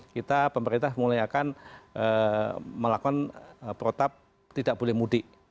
kita pemerintah mulai akan melakukan protap tidak boleh mudik